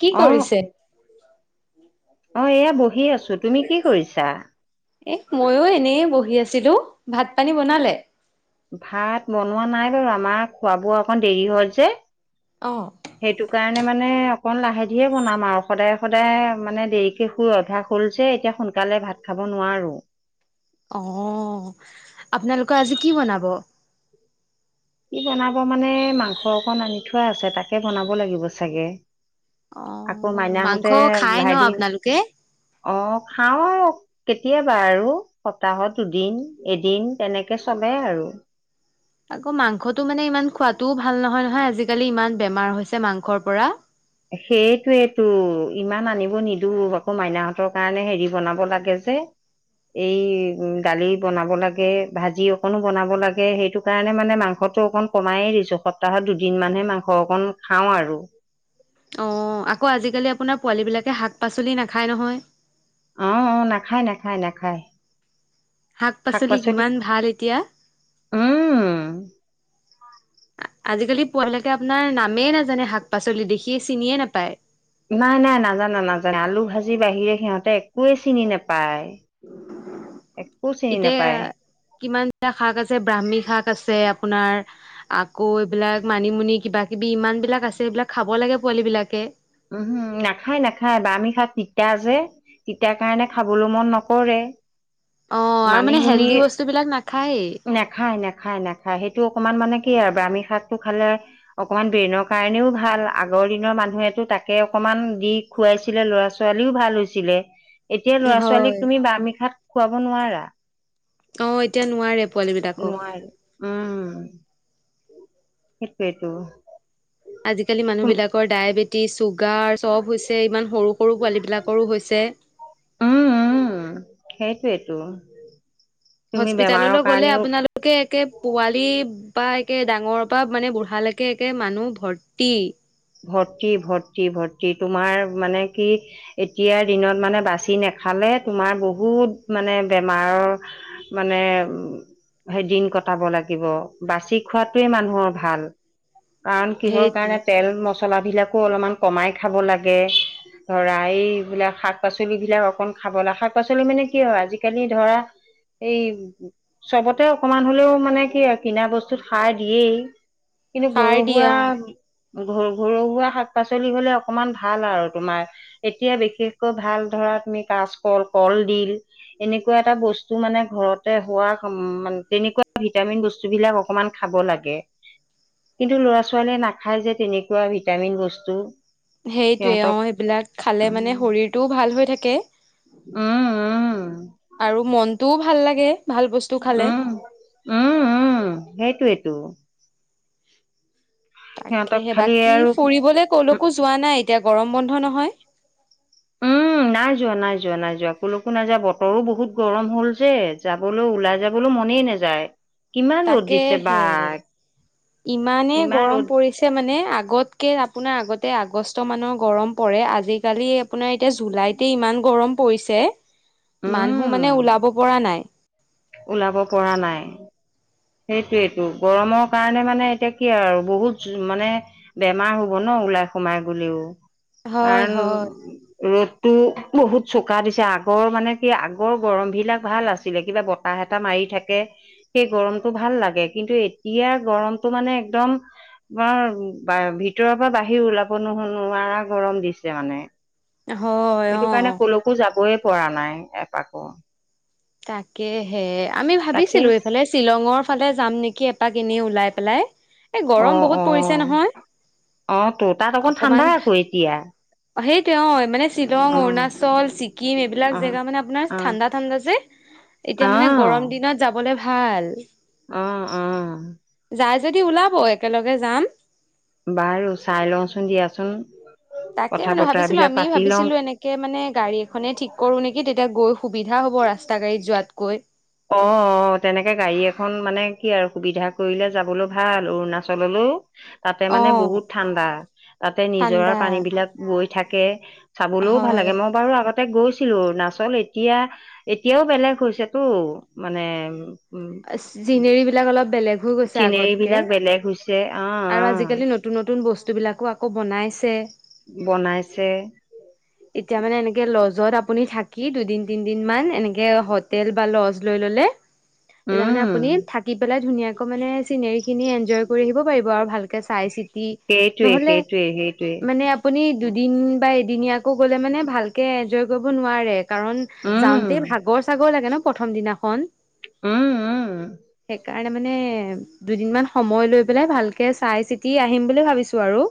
কি অ, কৰিছে? অ এয়া ব হি আছো, তুমি কি কৰিছা? এ মইয়ো এনেই বহি আছিলো ভাত পানী বনালে। ভাত বনোৱা নাই বাৰু আমাৰ খোৱা বোৱা অকন দেৰি হল যে। অঁ। সেইটো কাৰণে মানে অকণ লাহে ধীৰে বনাম আৰু সদায় সদায় মানে দেৰি শেটো অভ্যাস হ'ল যে এতিয়া সোনকালে ভাত খাব নোৱাৰো। অ আপোনালোকৰ আজি কি বনাব? কি বনাব মানে মাংস অকণ আনি থোৱা আছে তাকে বনাব লাগিব চাগে। আকৌ অ', মাংস মাইনাহঁতে খাই ন ভাগিন, আপোনালোকে? অ খাও কেতিয়াবা আৰু সপ্তাহত দুদিন এদিন তেনেকে চলে আৰু আকৌ মাংসটো মানে ইমান খোৱাটোও ভাল নহয় নহয় আজিকালি ইমান বেমাৰ হৈছে মাংসৰ পৰা। সেইটোৱেতো ইমান আনিব নিদো আকৌ মাইনাহঁতৰ কাৰণে হেৰি বনাব লাগে যে এই উ দালি বনাব লাগে ভাজি অকনো বনাব লাগে সেইটো তাই আনে মানে মাংসটো অকণ কমাই দিছো সপ্তাহত দুদিন মানহে মাংস অকণ খাওঁ আৰু অঁ আকৌ আজিকালি আপোনাৰ পোৱালী বিলাকে শাক পাচলি নেখায় নহয় অ, অ, নেখায়, নেখায়, নেখায়! শাক পাচলি কিমান ভাল এতিয়া, উম,,, আ আজিকালি পোৱালি‌বিলাকে আপোনাৰ নামেই নাজানে শাক পাচলি দেখি চিনিয়ে নাপায়। নাই, নাই নাজানে নাজানে আলু ভাজি বাহিৰে সিহঁতে একোৱে চিনি নেপায়। এক এতিয়া কিমানটা শাক আছে ব্ৰাহ্মী শাক আছে আপোনাৰ আকৌ এইবিলাক মানিমুনি কিবাকিবি ইমানবিলাক আছে এইবিলাক খাব লাগে পোৱালিবিলাকে উম হো নাখায় নাখায় বামি শাক তিতা যে তিতা কাৰণে খাবলও মন নকৰে। অ আৰু মানে মানিমুনি হেল্ডি বস্তু বিলাক নাখায়েই নেখায় নেখায় নেখ খাই সেইটো অকণমান মানে কি আ ব্ৰাহমি শাকটো খালে অকমান ব্ৰেইনৰ কাৰণেও ভাল আগৰ দিনৰ মানুহ এ টো তাকে অকমান দি খুৱাইছিলে ল'ৰা, ছোৱালীও ভাল হৈছিলে। এতিয়া ল'ৰা ছোৱালীক হয় তুমি ব্ৰাহ্মী শাক খোৱাব নোৱাৰা অ এতিয়া নোৱাৰে পোৱালী বিলাকক নোৱাৰে উম সেইটোৱেটো আজিকালি মানুহবিলাক কৰ ডায়েবেটিছ, চুগাৰ, চব হৈছে ইমান সৰু সৰু পোৱালীবিলাকৰো হৈছে। সেটোৱেতো হস্পিতাললৈ গ'লে আপোনালোক কে একে পোৱালি বা একে ডাঙৰৰ পৰা মানে বুঢ়ালৈকে একে মানুহ ভৰ্তি ভৰ্তি ভৰ্তি ভৰ্তি তোমাৰ মানে কি এতিয়াৰ দিনত মানে বাচি নেখালে তোমাৰ বহুত মানে বেমাৰৰ মানে উ সেই দিন কটাব লাগিব বাচি খোৱাতোৱে মানুহৰ ভাল কাৰণ কিহৰ সেইটোৱে কাৰণে তেল মচলাভিলাকো অলমান কমাই খাব লাগে ধৰা এইবিলাক শাক পাচলিবলাক অকন খাব লাগে! শাক পাচলি মানে কি হয় আজিকালি ধৰা এই চবতে অকমান হলেও মানে কি আ কিনা বস্তুত সাৰ দিয়েই কিন্তু সাৰ ঘৰু দিয়ে অ ঘুৱা ঘৰ ঘুৱা শাক পাচলি হলে অকমান ভাল আৰু তোমাৰ এতিয়া বিশেষকৈ ভাল ধৰা তুমি কাচকল কল দিল এনেকুৱা এটা বস্তু মানে ঘৰতে হোৱা অম্ তেনেকুৱা ভিটামিন বস্তু বিলাক অকমান খাব লাগে। কিন্তু ল'ৰা ছোৱালীয়ে নাখায় যে তেনেকুৱা ভিটামিন বস্তু! সেইটোয়ে অ সিহঁতক সেইবিলাক খালে মানে উম শৰীৰটোও ভাল হৈ থাকে উম ও আৰু মনটোও ভাল লাগে ভাল বস্তু খালে উম উম উম সেইটোৱেতো সিহঁতক তাকেহে খালি বাকী আৰু ফুৰিবলে ক'লৈকো যোৱা নাই এতিয়া গৰম বন্ধ নহয় উম নাই যোৱা, নাই যোৱা, নাই যোৱা, কলৈকো নাইযোৱা বতৰো বহুত গৰম হ'ল যে, যাবলও ওলাই যাবলও মনেই নাযায় কিমান ৰ'দ তাকে দিছে বা, হে, ইমানেই কিমান গৰম ৰ'দ, পৰিছে। মানে আগতকে আপোনাৰ আগতে আগষ্ট মানৰ গৰম পৰে আজিকালি। আপোনাৰ এতিয়া জুলাইতে ইমান গৰম পৰিছে, মানুহ উম। মানে ওলাব পৰা নাই। ওলাব পৰা নাই। সেইটোৱেইটো গৰমৰ কাৰণে মানে এতিয়া কি আৰু বহুত জু মানে বেমাৰ হব ন ওলাই সোমাই গলেও, হয় কাৰণ হয় ৰ'দ টো বহুত চোকা দিছে আগৰ মানে কি আগৰ গৰম বিলাক ভাল আছিলে কিবা বতৰ তাহ এটা মাৰি থাকে সেই গৰম ভাল লাগে কিন্তু এতিয়া গৰমটো মানে একদম তোমাৰ ভিতৰৰ পৰা বাহিৰ ওলাব নুশুনো গৰম দিছে মানে। হয় সেইটো অ কাৰণে কলৈকো যাবই পৰা নাই এপাকো। তাকে হে আমি তাকে ভাবিছিলো এইফালে শ্বিলঙৰ ফালে যাম নেকি এপাক এনেই ওলাই পেলাই এ অ গৰম অ বহুত পৰিছে নহয়। অ তো তাত আকৌ ঠাণ্ডাই আকৌ এতিয়া। সেইটো অ মানে শ্বিলং অ অৰুণাচল ছিকিম এইবিলাক অ জেগা মানে আপোনাৰ অ ঠাণ্ডা ঠাণ্ডা যে। এতিয়া অ মানে গৰম দিনত যাবলে ভাল। অ অ। যায় যদি ওলাব একেলগে যাম। বাৰু চাই লওঁচোন দিয়াচোন। তাকে কথা মানে ভাবিছিলো বতৰাবিলাক আমিও পাতি লওঁ ভাবিছিলো এনেক তাকে মানে গাড়ী এখনেই ঠিক কৰো নেকি তেতিয়া গৈ সুবিধা হ'ব ৰাস্তা গাড়ীত যোৱাতকৈ। অ অ তেনেকে গাড়ী এখন মানে কি আৰু সুবিধা কৰিলে যাবলৈ ভাল অৰুণাচললৈ। তাতে অ মানে বহুত ঠাণ্ডা। তাতে নিজৰাৰ ঠাণ্ডা পানী বিলাক বৈ থাকে চাবলৈও ভাল হয়। লাগে মপ বাৰু আগতে গৈছিলো অৰুনাচল এতিয়া এতিয়াও বেলেগ হৈছেতো। মানে উম চিনেৰি বিলাক অলপ বেলেগ হৈ গৈছে। চিনেৰি আগতকে। বিলাক বেলেগ হৈছে। অ অ আৰু আজিকালি নতুন নতুন বস্তু বিলাকো আকৌ বনাইছে। বনাইছে। এতিয়া মানে এনেকে লজত আপুনি থাকি দুদিন তিন দিন মান এনেকে হোটেল বা লজ লৈ ললে। তেতিয়া মানে উম আপুনি থাকি পেলাই ধুনীয়াকৈ মানে চিনেৰি খিনি এনজয় কৰি আহিব পাৰিব আৰু ভালকে। চাই চিটি, সেইটোৱে নহ'লে সেইটোৱে সেইটোৱে মানে আপুনি দুদিন বা এদিনীয়কৌ গ'লে মানে ভালকৈ এনজয় কৰিব নোৱাৰে। কাৰণ উম যাওঁতেই ভাগৰ চাগৰ লাগে ন প্ৰথম দিনাখন। উম উম। সেইকাৰণে মানে দুদিনমান সময় লৈ পেলাই ভালকৈ চাই চিতি আহিম বুলি ভাবিছোঁ আৰু।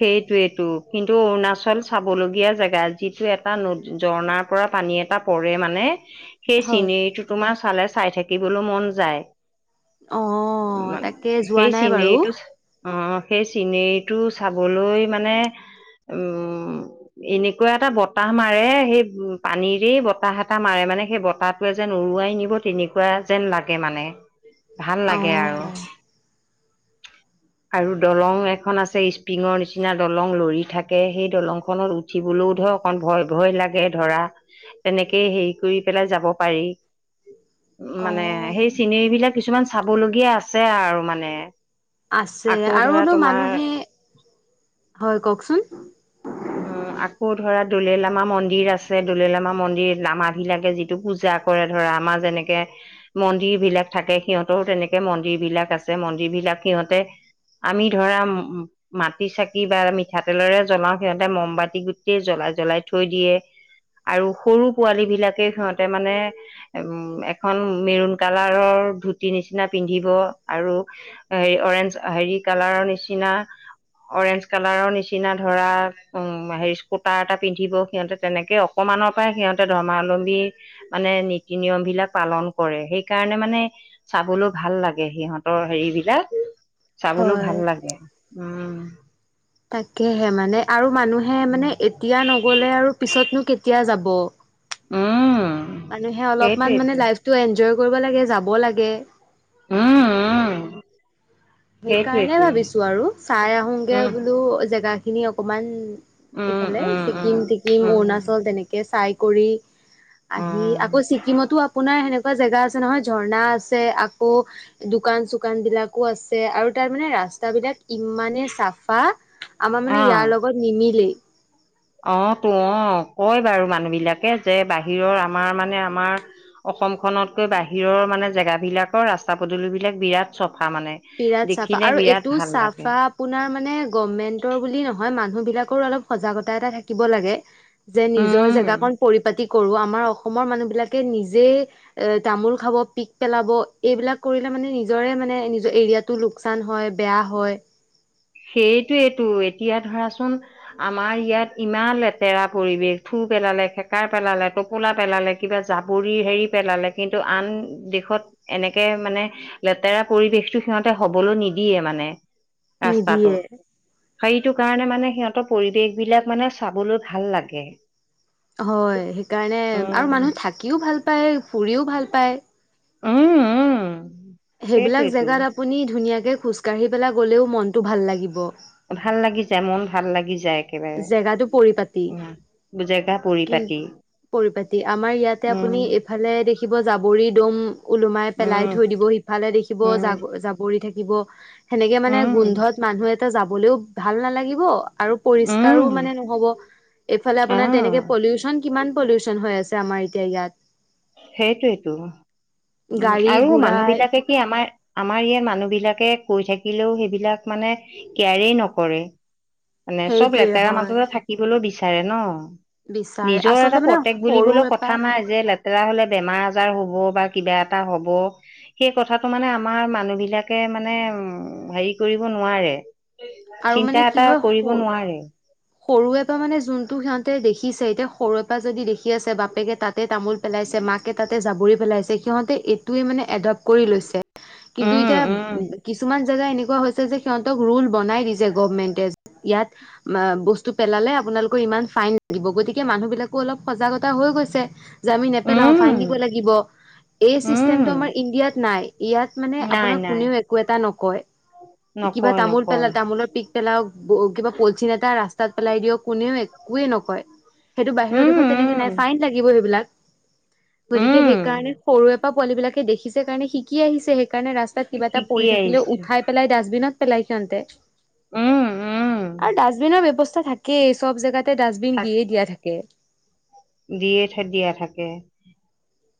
সেইটোৱেইটো কিন্তু অৰুণাচল চাব লগগীয়া জেগা যিটো এটা নত ঝৰ্ণাত পৰা পানী এটা পৰে মানে। সেই হয় চিনেৰীটো তোমাৰ চালে চাই থাকিবলৈ মন যায়। অ মান তাকে যোৱা সেই নাই বাৰু চিনেৰীটো অ সেই চিনেৰীটো চাবলৈ মানে, উম। এনেকুৱা এটা বতাহ মাৰে সেই পানীৰেই বতাহ এটা মাৰে মানে সেই বতাহ কিবা যেন উৰুৱাই নিব তেনেকুৱা যেন লাগে মানে। ভাল অ লাগে আৰু, আৰু দলং এখন আছে ইচ টিঙৰ নিচিনা দলং লৰি থাকে সেই দলংখনত উঠিবলৈও ধৰ অকণ ভয় ভয় লাগে ধৰা তেনেকে হেৰি কৰি পেলাই যাব পাৰি অ মানে সেই চিনেৰী বিলাক কিছুমান চাবলগীয়া আছে আৰু মানে আছে আকৌ ধৰা আৰুনো তোমাৰ মানুহে হয় কওকচোন উম আকৌ ধৰা দ'লেলামা মন্দিৰ আছে। দ'লেলামা মন্দিৰ লামা বিলাকে যিটো পূজা কৰে ধৰা আমাৰ যেনেকে মন্দিৰ বিলাক থাকে সিহঁতৰো তেনেকে মন্দিৰ বিলাক আছে মন্দিৰ বিলাক সিহঁতে আমি ধৰা উম মাটি চাকি বা মিঠাতেলেৰে জ্বলাও সিহঁতে মমবাতি গোটেই জ্বলাই জ্বলাই থৈ দিয়ে আৰু সৰু পোৱালী বিলাকে সিহঁতে মানে এখন মেৰুন কালাৰৰ ধুতি নিচিনা পিন্ধিব আৰু হেৰি অৰেঞ্জ হেৰি কালাৰৰ নিচিনা অৰেঞ্জ কালাৰৰ নিচিনা ধৰা উম, হেৰি স্কুটাৰ এটা পিন্ধিব সিহঁতে তেনেকে অকমানৰ পৰাই সিহঁতে ধৰ্মালম্বী মানে নীতি- নিয়ম বিলাক পালন কৰে সেইকাৰণে মানে চাবলৈ ভাল লাগে সিহঁতৰ হেৰিবিলাক। চাবলৈ হয় ভাল লাগে, উম। তাকেহে মানে আৰু মানুহে মানে এতিয়া নগলে আৰু পিছতনো কেতিয়া যাব? উম। মানুহে অলপমান মানে সেইটোৱেইটো লাইফটো এনজয় কৰিব লাগে যাব লাগে উম উম সেইকাৰণে সেইটোৱেইটো ভাবিছো আৰু চাই আহোগে উম বোলো জেগা খিনি অকমান। উম এইফালে উম উম ছিকিম টিকিম উম অৰুণাচল তেনেকে চাই কৰি আহি উম আকৌ ছিকিমতো আপোনাৰ সেনেকুৱা জেগা আছে নহয় ঝৰ্ণা আছে আকৌ দোকান চোকান বিলাকো আছ আৰু তাৰ মানে ৰাস্তা বিলাক ইমানে চাফা আমাৰ মানে অ ইয়াৰ লগত নিমিলেই অ তো অ কয় বাৰু মানুহ বিলাকে যে বাহিৰৰ আমাৰ মানে আমাৰ অসমখনতকৈ বাহিৰৰ মানে জেগাবিলাকৰ ৰাস্তা পদূলিবিলাক বিৰাট চফা মানে বিৰাট চাফা দেখিলে আৰু বিৰাট এইটো ভাল লাগে। চাফা আপোনাৰ মানে গভমেন্টৰ বুলি নহয় মানুহ বিলাকৰো অলপ সজাগতা এটা থাকিব লাগে। যে নিজৰ উম, জেগা কন পৰিপাতি কৰো আমাৰ অসমৰ মানুহ বিলাকে নিজে এ তামোল খাব পিক পেলাব এইবিলাক কৰিলে মানে নিজৰে মানে এৰিয়াটো লোকচান হয় বেয়া হয় সেইটোৱেইটো এতিয়া ধৰাচোন আমাৰ ইয়াত ইমান লেতেৰা পৰিৱেশ থু পেলালে খেকাৰ পেলালে টোপোলা পেলালে কিবা জাবৰিৰ হেৰি পেলালে কিন্তু আন দেশত এনেকে মানে লেতেৰা পৰিৱেশটো সিহঁতে হবলৈ নিদিয়ে মানে নিদিয়ে ৰাস্তাটোত। সেইটো কাৰণে মানে সিহঁতৰ পৰিৱেশ বিলাক মানে চাবলৈ ভাল লাগে হয় সেইকাৰণে আৰু উম। মানুহ থাকিও ভাল পায় ফুৰিও ভাল পায়। উম উম সেইবিলাক সেইটোৱেইটো জেগাত আপুনি ধুনীয়াকে খোজ কাঢ়ি পেলাই গলেও মনটো ভাল লাগিব। ভাল লাগি যায় মন ভাল লাগি যায়। একেবাৰে জেগাটো পৰিপাতি উম জেগা পৰি কি পাতি। পৰিপাতি আমাৰ ইয়াতে আপুনি এইফালে দেখিব জাবৰি দম ওলোমাই পেলাই উম থৈ দিব ফালে দেখিব যা উম যাব পৰি থাকিব সেনেকে মানে উম গোন্ধত মানুহ এটা যাবলৈও ভাল নালাগিব। আৰু পৰিষ্কাৰো উম মানে নহ'ব এইফালে আপোনাৰ আহ তেনেকে পলিউচন কিমান পলিউচন হৈ আছে আমাৰ এতিয়া ইয়াত? সেইটোৱেইটো উম গাড়ী আৰু মানুহ গুৰাই বিলাকে সেই আমাৰ আমাৰ ইয়াৰ মানুহ বিলাকে কৈ থাকিলেও সেইবিলাক মানে কেয়াৰেই নকৰে, মানে চব সেইটোৱে লেতেৰা হয় মানুহে থাকিবলৈ বিচাৰে ন'। বিচাৰে নিজৰ আচলতে এটা মানে প্ৰতেক বুলিবলেও সৰুৰে পা কথা নাই যে লেতেৰা হলে বেমাৰ আজাৰ হ'ব বা কিবা এটা হ'ব সেই কথাটো মানে আমাৰ মানুহ বিলাকে মানে উম হেৰি কৰিব নোৱাৰে। আৰু মানে চিন্তা কি এটা হয় সৰু কৰিব নোৱাৰে। সৰুৰে পৰা মানে যোনটো সিহঁতে দেখিছে এতিয়া সৰুৰে পৰা যদি দেখি আছে বাপেকে তাতে তামোল পেলাইছে মাকে তাতে যাবৰি পেলাইছে সিহঁতে এইটোৱে মানে এডপট কৰি লৈছে কিন্তু উম এতিয়া উম কিছুমান জেগা এনেকুৱা হৈছে যে সিহঁতক ৰোল বনাই দিছে গভমেন্টে ইয়াত বস্তু পেলালে আপোনালোকৰ ইমান ফাইন লাগিব গতিকে মানুহ বিলাকো অলপ সজাগতা হৈ গৈছে। জ আমি নেপেলাও ফাইন দিব উম লাগিব এই চিষ্টেমটো আমাৰ উম ইণ্ডিয়াত নাই ইয়াত মানে নাই আপোনাক নাই কোনেও একো এটা নকয় কিবা নকয় তামোল পেলা নকয় তামোলৰ প পেলাওক কিবা পলচিন এটা ৰাস্তাত পেলাই দিয় কোনেও একোৱে নকয়। সেইটো বাহিৰৰ দেশত উম তেনেকে নাই উম ফাইন লাগিব সেইবিলাক গতিকে সেইকাৰণে উম সৰু পোৱালী বিলাকে দেখিছে কাৰণে শিকি আহিছে সেইকাৰণে ৰাস্তাত কিবা এটা শিকি পৰি থাকিলেও আহিছো উঠাই পেলাই দাচবিনত পেলাই সিহঁতে উম উম আৰু দাচবিনত ব্যৱস্থা থাকেই চব জেগাতে ডাষ্টবিন থাক দিয়ে দিয়া থাকে। দিয়ে থাকে দিয়া থাকে।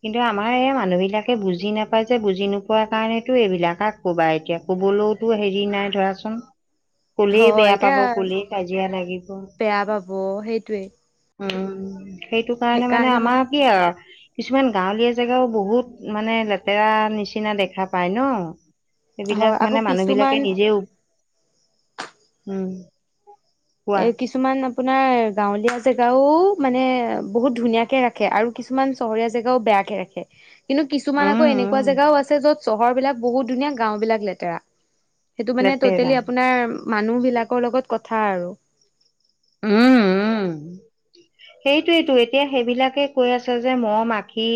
কিন্তু আমাৰ এই মানুহবিলাকে বুজি নাপায় যে বুজি নোপোৱাৰ কাৰণেতো এইবিলাকাক ক'বা এতিয়া ক'বলৈওতো হেৰি নাই ধৰাচোন,, কলেই হয় বেয়া এতিয়া পাব বুলি কাজিয়া লাগিব। অ', সেইটোয়ে। উম, সেইটো কাৰণে মানে আমাৰ কি আৰু- কিছুমান গাঁৱলীয়া জেগাও বহুত মানে লেতেৰা নিচিনা দেখা পায় ন? সেইবিলাক হয় আকৌ মানে মানুহ বিলাকে কিছুমান নিজেও উম, কোৱা এ কিছুমান আপোনাৰ গাঁৱলীয়া জেগাও মানে বহুত ধুনীয়াকে ৰাখে আৰু কিছুমান চহৰীয়া জেগাও বেয়াকে ৰাখে। কিন্তু কিছুমান আকৌ উম এনেকুৱা উম জেগাও আছে য'ত চহৰ বিলাক বহুত ধুনীয়া গাও বিলাক লেতেৰা। সেইটো মানে লেতেৰা টটেলি আপোনাৰ মানুহ বিলাকৰ লগত কথা আৰু। উম উম। সেইটোৱেতো এতিয়া সেইবিলাকে কৈ আছে যে মহ মাখি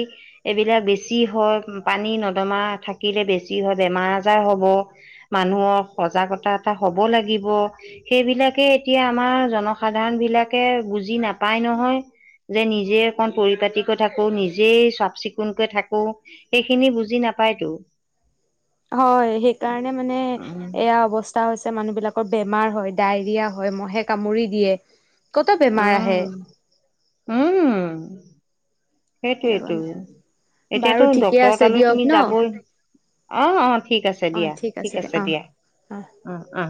এইবিলাক বেছি হয় পানী নৰ্দমা থাকিলে বেছি হয় বেমাৰ আজাৰ হব। মানুহৰ সজাগতা এটা হ'ব লাগিব! সেইবিলাকে এতিয়া আমাৰ জনৰ সাধাৰণ বিলাকে বুজি নাপায় নহয়! যে নিজেই অকন পৰিপাতি থাকো নিজেই চাফ চিকুণকৈ থাকো, সেইখিনি বুজি নাপায়তো। হয় সেইকাৰণে মানে এয়া অৱস্থা টা হৈছে মানুহবিলাকৰ বেমাৰ হয়, ডায়েৰিয়া হয়, মহে কামুৰি দিয়ে কত বেমাৰ আহে। উম উম। সেইটোয়েইেতটো বাৰু এতিয়াতো ঠিকে ড্ক্তৰ আছে তালৈ দিয়ক তুমি ন যাবই অ', অ' ঠিক আছে দিয়া ঠিক আছে দিয়া অ অ